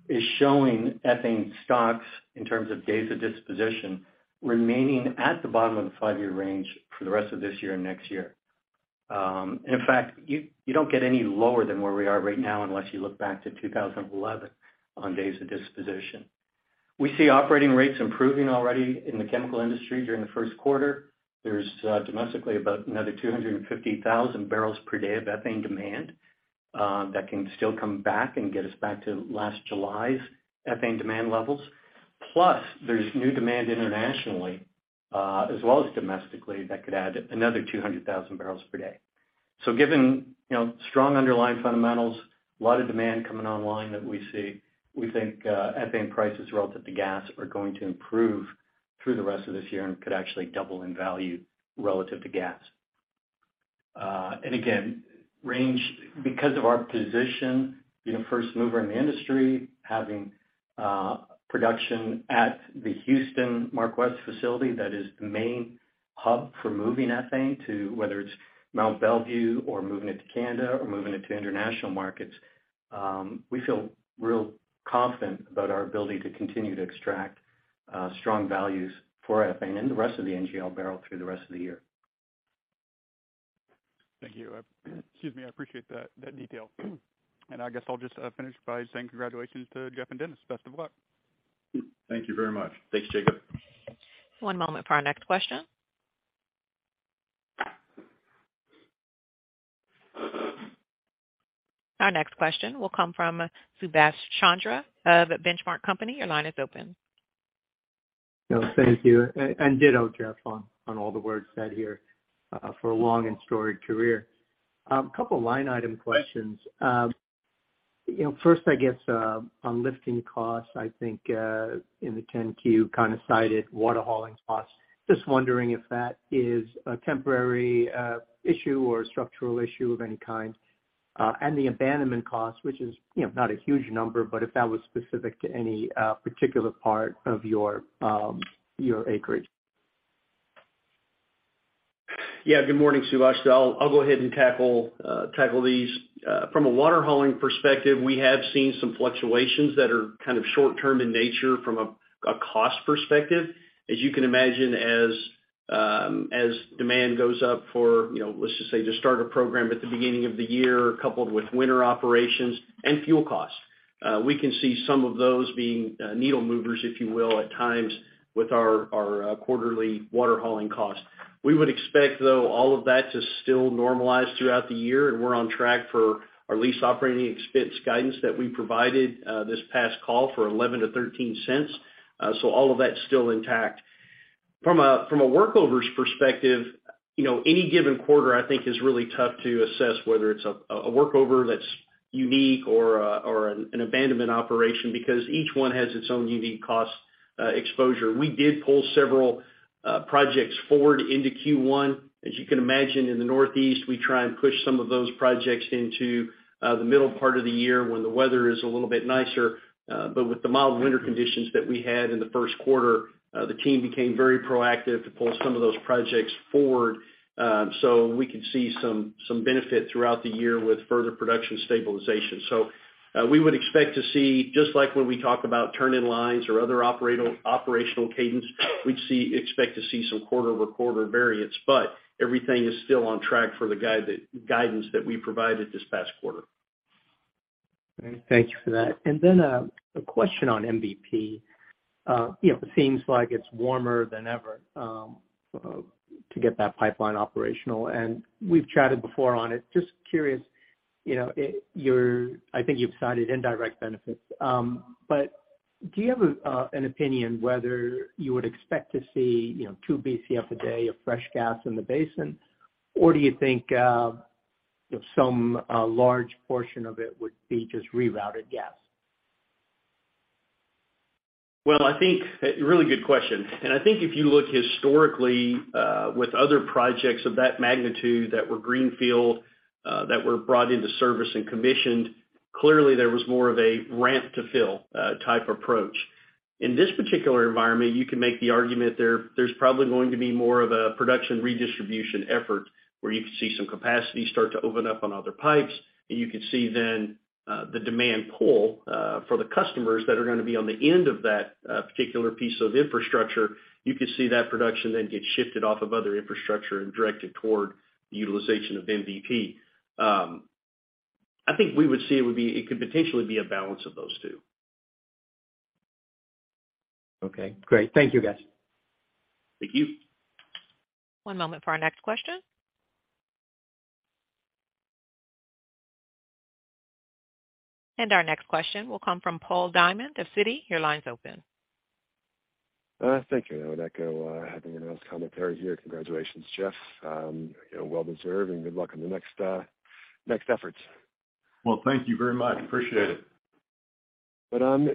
is showing ethane stocks, in terms of days of disposition, remaining at the bottom of the five-year range for the rest of this year and next year. In fact, you don't get any lower than where we are right now, unless you look back to 2011 on days of disposition. We see operating rates improving already in the chemical industry during the first quarter. There's domestically about another 250,000 barrels per day of ethane demand that can still come back and get us back to last July's ethane demand levels. Plus, there's new demand internationally as well as domestically that could add another 200,000 barrels per day. Given, you know, strong underlying fundamentals, a lot of demand coming online that we see, we think ethane prices relative to gas are going to improve through the rest of this year and could actually double in value relative to gas. Again, Range because of our position, being a first mover in the industry, having production at the Marcus Hook facility, that is the main hub for moving ethane to whether it's Mont Belvieu or moving it to Canada or moving it to international markets, we feel real confident about our ability to continue to extract strong values for ethane and the rest of the NGL barrel through the rest of the year. Thank you. Excuse me. I appreciate that detail. I guess I'll just finish by saying congratulations to Jeff and Dennis. Best of luck. Thank you very much. Thanks, Jacob. One moment for our next question. Our next question will come from Subash Chandra of The Benchmark Company. Your line is open. No, thank you. Ditto, Jeff, on all the words said here, for a long and storied career. Couple line item questions. You know, first, I guess, on lifting costs, I think, in the 10-Q, kind of cited water hauling costs. Just wondering if that is a temporary issue or a structural issue of any kind. The abandonment cost, which is, you know, not a huge number, but if that was specific to any particular part of your acreage. Yeah. Good morning, Subash. I'll go ahead and tackle these. From a water hauling perspective, we have seen some fluctuations that are kind of short term in nature from a cost perspective. As you can imagine, as demand goes up for, you know, let's just say, to start a program at the beginning of the year, coupled with winter operations and fuel costs, we can see some of those being needle movers, if you will, at times with our quarterly water hauling costs. We would expect, though, all of that to still normalize throughout the year, and we're on track for our lease operating expense guidance that we provided this past call for $0.11-$0.13. All of that's still intact. From a workovers perspective, you know, any given quarter, I think, is really tough to assess whether it's a workover that's unique or an abandonment operation because each one has its own unique cost exposure. We did pull several projects forward into Q1. As you can imagine, in the Northeast, we try and push some of those projects into the middle part of the year when the weather is a little bit nicer. With the mild winter conditions that we had in the first quarter, the team became very proactive to pull some of those projects forward, so we could see some benefit throughout the year with further production stabilization. We would expect to see, just like when we talk about turn-in-lines or other operational cadence, we expect to see some quarter-over-quarter variance. Everything is still on track for the guidance that we provided this past quarter. All right. Thank you for that. A question on MVP. You know, it seems like it's warmer than ever to get that pipeline operational, and we've chatted before on it. Just curious, you know, I think you've cited indirect benefits. Do you have an opinion whether you would expect to see, you know, 2 Bcf a day of fresh gas in the basin, or do you think, you know, some large portion of it would be just rerouted gas? Well, Really good question. I think if you look historically, with other projects of that magnitude that were greenfield, that were brought into service and commissioned, clearly there was more of a ramp to fill type approach. In this particular environment, you can make the argument there's probably going to be more of a production redistribution effort where you can see some capacity start to open up on other pipes. You could see then, the demand pull for the customers that are gonna be on the end of that particular piece of infrastructure. You could see that production then get shifted off of other infrastructure and directed toward the utilization of MVP. I think we would see it could potentially be a balance of those two. Okay, great. Thank you, guys. Thank you. One moment for our next question. Our next question will come from Paul Diamond of Citi. Your line's open. Thank you. I would echo everyone else's commentary here. Congratulations, Jeff. you know, well deserved, and good luck on the next efforts. Well, thank you very much. Appreciate it.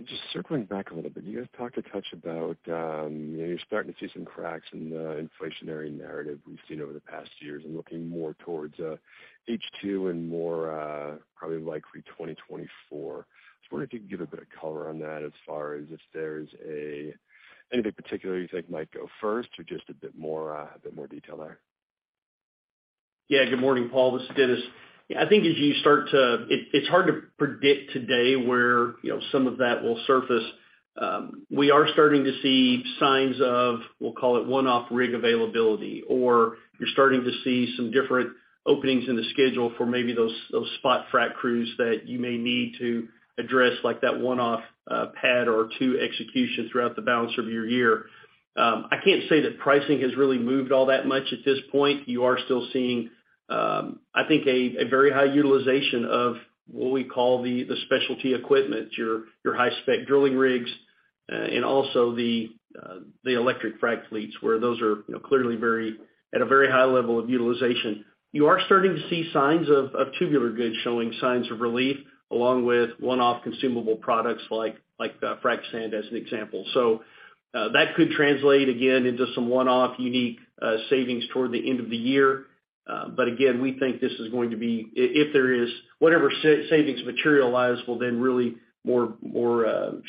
Just circling back a little bit. You guys talked a touch about, you know, you're starting to see some cracks in the inflationary narrative we've seen over the past years and looking more towards H2 and more, probably likely 2024. I was wondering if you could give a bit of color on that as far as if there's anything particular you think might go first or just a bit more, a bit more detail there? Good morning, Paul, this is Dennis. I think as you start to. It's hard to predict today where, you know, some of that will surface. We are starting to see signs of, we'll call it one-off rig availability, or you're starting to see some different openings in the schedule for maybe those spot frac crews that you may need to address, like that one-off pad or two execution throughout the balance of your year. I can't say that pricing has really moved all that much at this point. You are still seeing, I think a very high utilization of what we call the specialty equipment, your high spec drilling rigs, and also the electric frac fleets, where those are, you know, clearly at a very high level of utilization. You are starting to see signs of tubular goods showing signs of relief, along with one-off consumable products like frac sand as an example. That could translate again into some one-off unique savings toward the end of the year. Again, we think this is going to be, if there is whatever savings materializes will then really more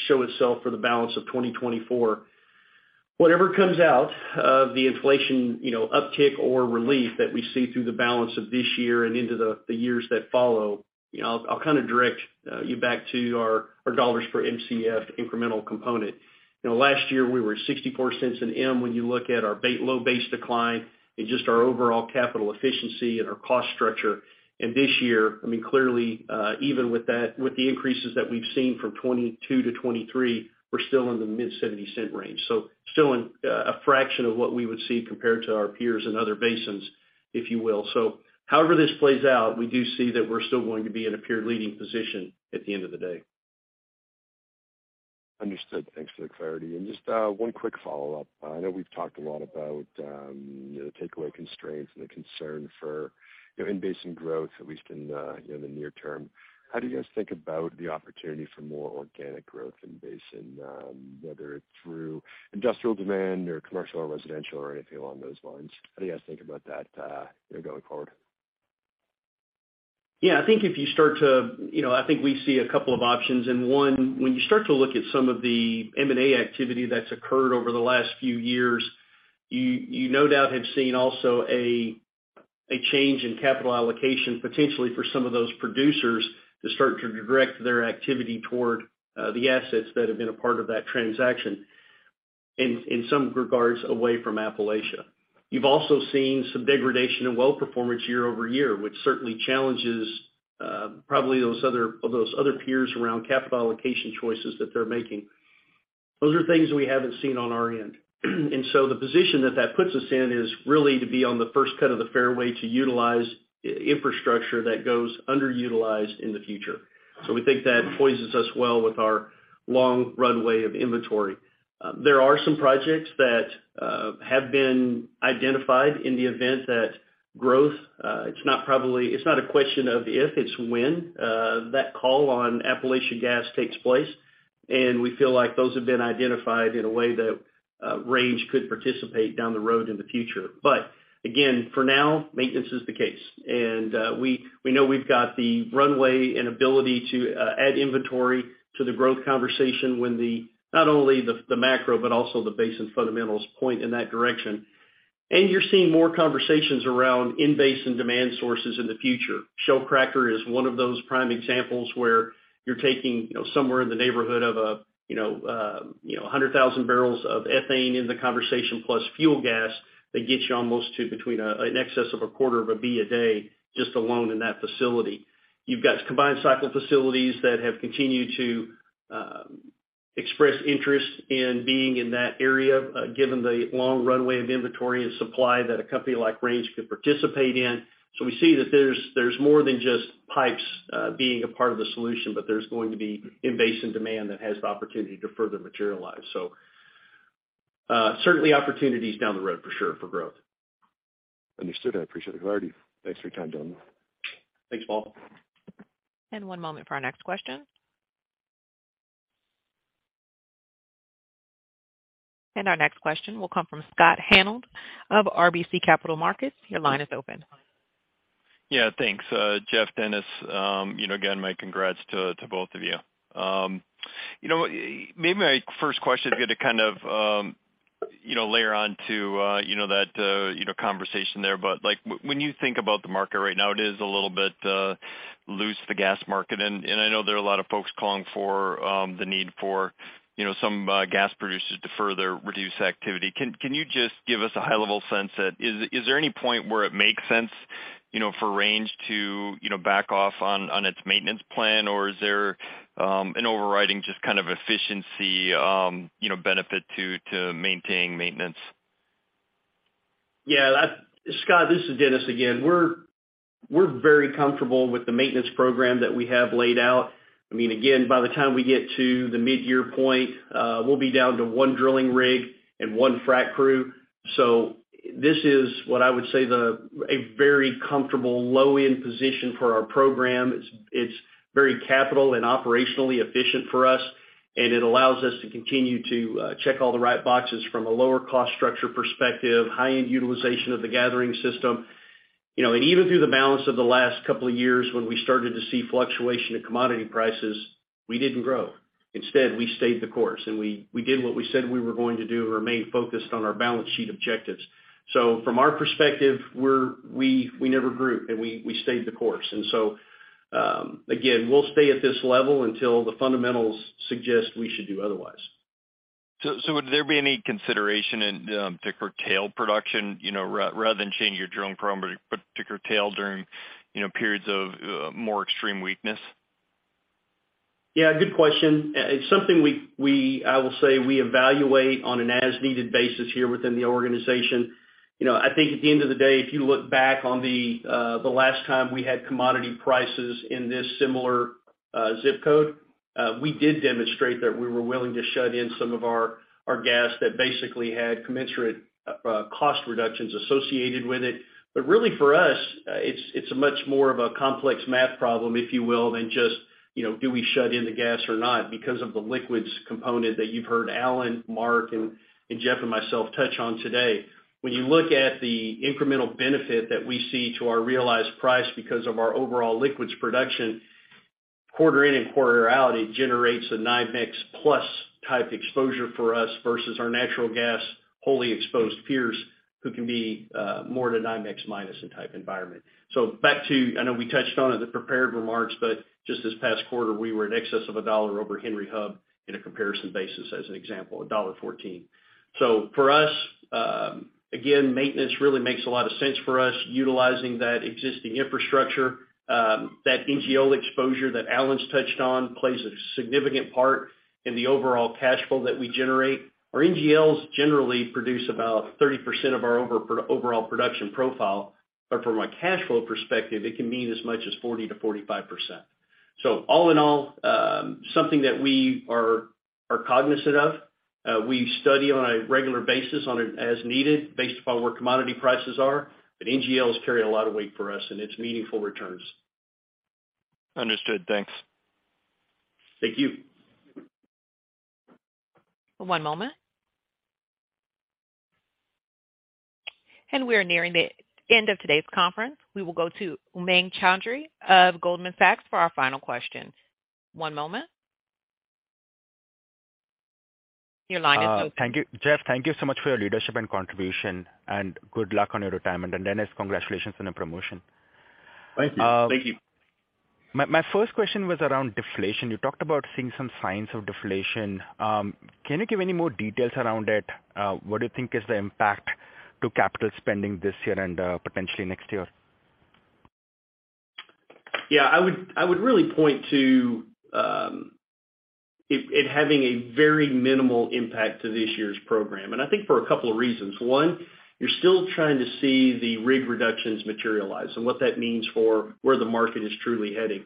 show itself for the balance of 2024. Whatever comes out of the inflation, you know, uptick or relief that we see through the balance of this year and into the years that follow, you know, I'll kind of direct you back to our dollars per Mcf incremental component. You know, last year, we were $0.64 an M when you look at our low base decline and just our overall capital efficiency and our cost structure. This year, I mean, clearly, even with that, with the increases that we've seen from 2022-2023, we're still in the mid $0.70 range. Still in a fraction of what we would see compared to our peers in other basins, if you will. However this plays out, we do see that we're still going to be in a peer leading position at the end of the day. Understood. Thanks for the clarity. Just, one quick follow-up. I know we've talked a lot about, you know, the takeaway constraints and the concern for, you know, in-basin growth, at least in, you know, the near term. How do you guys think about the opportunity for more organic growth in basin, whether it's through industrial demand or commercial or residential or anything along those lines? How do you guys think about that, you know, going forward? Yeah, I think you know, I think we see a couple options. One, when you start to look at some of the M&A activity that's occurred over the last few years, you no doubt have seen also a change in capital allocation, potentially for some of those producers to start to direct their activity toward the assets that have been a part of that transaction. In some regards, away from Appalachia. You've also seen some degradation in well performance year-over-year, which certainly challenges probably of those other peers around capital allocation choices that they're making. Those are things we haven't seen on our end. The position that that puts us in is really to be on the first cut of the fairway to utilize infrastructure that goes underutilized in the future. We think that poisons us well with our long runway of inventory. There are some projects that have been identified in the event that growth, It's not a question of if, it's when, that call on Appalachian gas takes place. We feel like those have been identified in a way that Range could participate down the road in the future. Again, for now, maintenance is the case. We know we've got the runway and ability to add inventory to the growth conversation when the, not only the macro, but also the basin fundamentals point in that direction. You're seeing more conversations around in-basin demand sources in the future. Shell Cracker is one of those prime examples where you're taking, you know, somewhere in the neighborhood of, you know, 100,000 barrels of ethane in the conversation, plus fuel gas, that gets you almost to between an excess of a quarter of a Bcf a day just alone in that facility. You've got combined cycle facilities that have continued to express interest in being in that area, given the long runway of inventory and supply that a company like Range could participate in. Certainly opportunities down the road for sure for growth. Understood. I appreciate the clarity. Thanks for your time, gentlemen. Thanks, Paul. One moment for our next question. Our next question will come from Scott Hanold of RBC Capital Markets. Your line is open. Yeah, thanks. Jeff, Dennis, you know, again, my congrats to both of you. You know, maybe my first question to get to kind of, you know, layer on to, you know, that, you know, conversation there, but, like, when you think about the market right now, it is a little bit loose the gas market. I know there are a lot of folks calling for the need for, you know, some gas producers to further reduce activity. Can you just give us a high level sense that is there any point where it makes sense, you know, for Range to back off its maintenance plan? Or is there an overriding just kind of efficiency, you know, benefit to maintain maintenance? Yeah, Scott, this is Dennis again. We're very comfortable with the maintenance program that we have laid out. I mean, again, by the time we get to the mid-year point, we'll be down to one drilling rig and one frack crew. This is what I would say a very comfortable low-end position for our program. It's very capital and operationally efficient for us, and it allows us to continue to check all the right boxes from a lower cost structure perspective, high-end utilization of the gathering system. You know, even through the balance of the last couple of years when we started to see fluctuation in commodity prices, we didn't grow. Instead, we stayed the course, and we did what we said we were going to do and remain focused on our balance sheet objectives. From our perspective, we never grew, and we stayed the course. Again, we'll stay at this level until the fundamentals suggest we should do otherwise. Would there be any consideration in to curtail production, you know, rather than change your drilling program to curtail during, you know, periods of more extreme weakness? Yeah, good question. It's something we evaluate on an as-needed basis here within the organization. You know, I think at the end of the day, if you look back on the last time we had commodity prices in this similar zip code, we did demonstrate that we were willing to shut in some of our gas that basically had commensurate cost reductions associated with it. Really for us, it's a much more of a complex math problem, if you will, than just, you know, do we shut in the gas or not? Because of the liquids component that you've heard Alan, Mark, and Jeff and myself touch on today. When you look at the incremental benefit that we see to our realized price because of our overall liquids production, quarter in and quarter out, it generates a NYMEX plus type exposure for us versus our natural gas wholly exposed peers who can be more at a NYMEX minus in type environment. I know we touched on in the prepared remarks, but just this past quarter, we were in excess of $1 over Henry Hub in a comparison basis as an example, $1.14. For us, again, maintenance really makes a lot of sense for us utilizing that existing infrastructure, that NGL exposure that Alan's touched on plays a significant part in the overall cash flow that we generate. Our NGLs generally produce about 30% of our overall production profile. From a cash flow perspective, it can mean as much as 40%-45%. All in all, something that we are cognizant of, we study on a regular basis on an as needed based upon where commodity prices are. NGLs carry a lot of weight for us, and it's meaningful returns. Understood. Thanks. Thank you. One moment. We are nearing the end of today's conference. We will go to Umang Choudhary of Goldman Sachs for our final question. One moment. Your line is open. thank you. Jeff, thank you so much for your leadership and contribution, and good luck on your retirement. Dennis, congratulations on the promotion. Thank you. Thank you. My first question was around deflation. You talked about seeing some signs of deflation. Can you give any more details around it? What do you think is the impact to capital spending this year and potentially next year? Yeah, I would really point to it having a very minimal impact to this year's program. I think for a couple of reasons. One, you're still trying to see the rig reductions materialize and what that means for where the market is truly heading.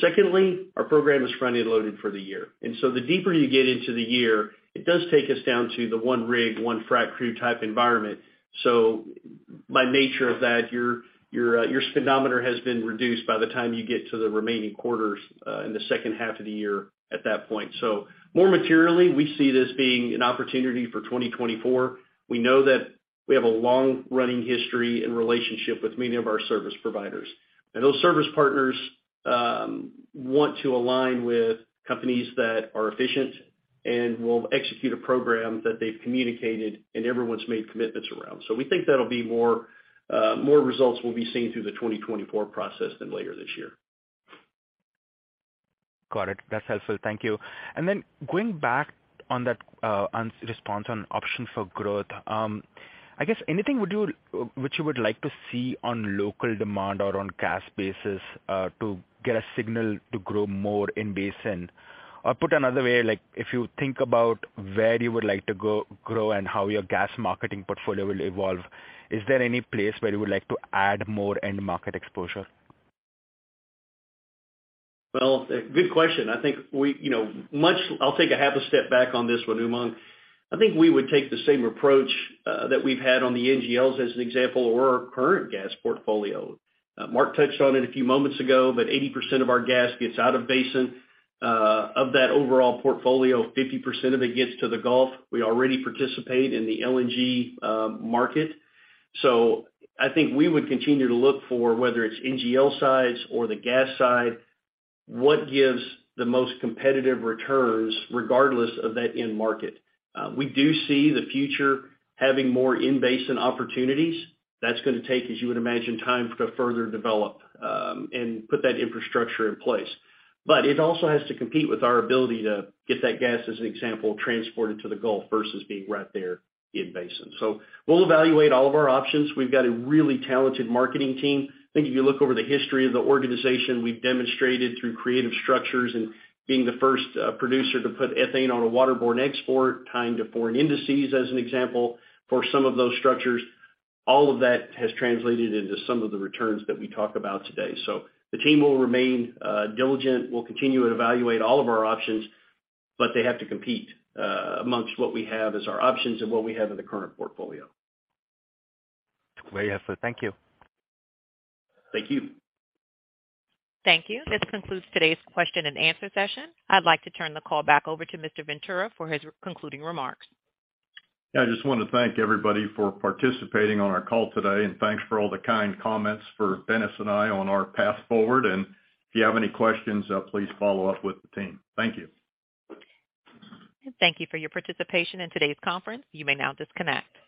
Secondly, our program is front-end loaded for the year. The deeper you get into the year, it does take us down to the one rig, one frack crew type environment. By nature of that, your speedometer has been reduced by the time you get to the remaining quarters in the second half of the year at that point. More materially, we see this being an opportunity for 2024. We know that we have a long-running history and relationship with many of our service providers. Those service partners, want to align with companies that are efficient and will execute a program that they've communicated and everyone's made commitments around. We think that'll be more, more results will be seen through the 2024 process than later this year. Got it. That's helpful. Thank you. Going back on that, response on options for growth, I guess anything which you would like to see on local demand or on gas basis, to get a signal to grow more in basin? Or put another way, like if you think about where you would like to grow and how your gas marketing portfolio will evolve, is there any place where you would like to add more end market exposure? Well, good question. I think we, you know, I'll take a half a step back on this one, Umang. I think we would take the same approach that we've had on the NGLs as an example or our current gas portfolio. Mark touched on it a few moments ago, but 80% of our gas gets out of basin. Of that overall portfolio, 50% of it gets to the Gulf. We already participate in the LNG market. I think we would continue to look for whether it's NGL sides or the gas side, what gives the most competitive returns regardless of that end market. We do see the future having more in-basin opportunities. That's gonna take, as you would imagine, time to further develop and put that infrastructure in place. It also has to compete with our ability to get that gas, as an example, transported to the Gulf versus being right there in basin. We'll evaluate all of our options. We've got a really talented marketing team. I think if you look over the history of the organization, we've demonstrated through creative structures and being the first producer to put ethane on a waterborne export, tying to foreign indices as an example, for some of those structures. All of that has translated into some of the returns that we talk about today. The team will remain diligent. We'll continue to evaluate all of our options, but they have to compete amongst what we have as our options and what we have in the current portfolio. Very helpful. Thank you. Thank you. Thank you. This concludes today's question and answer session. I'd like to turn the call back over to Mr. Ventura for his concluding remarks. I just wanna thank everybody for participating on our call today. Thanks for all the kind comments for Dennis and I on our path forward. If you have any questions, please follow up with the team. Thank you. Thank you for your participation in today's conference. You may now disconnect.